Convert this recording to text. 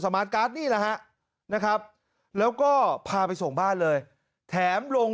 มาร์ทการ์ดนี่แหละฮะนะครับแล้วก็พาไปส่งบ้านเลยแถมลง